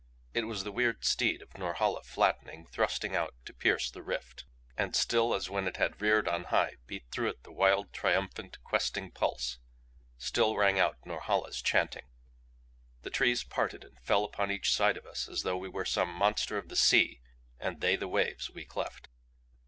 It was the weird steed of Norhala flattening, thrusting out to pierce the rift. And still as when it had reared on high beat through it the wild, triumphant, questing pulse. Still rang out Norhala's chanting. The trees parted and fell upon each side of us as though we were some monster of the sea and they the waves we cleft.